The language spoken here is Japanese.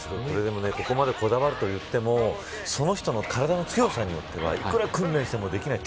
ここまで、こだわるといってもその人の体の強さによってはいくら訓練してもできない。